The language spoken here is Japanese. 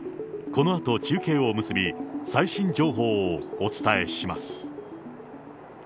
このあと中継を結び、最新情報をお伝えします。